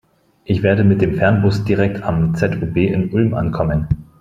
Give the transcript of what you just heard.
Ich werde mit dem Fernbus direkt am ZOB in Ulm ankommen.